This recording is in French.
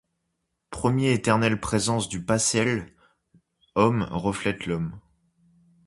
premier éternelle présence du passéles hommes reflètent l'homme.